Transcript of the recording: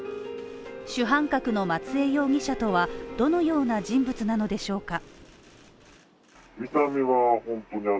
主犯格の松江容疑者とは、どのような人物なのでしょうか。